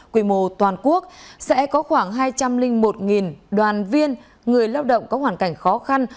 quy mô toàn quốc sẽ có khoảng hai trăm linh một đoàn viên người lao động có hoàn cảnh khó khăn